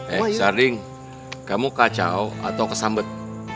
eh sorry kamu kacau atau kesambet